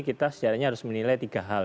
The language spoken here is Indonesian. kita sejarahnya harus menilai tiga hal